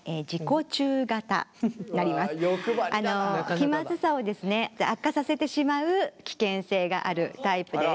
気まずさを悪化させてしまう危険性があるタイプです。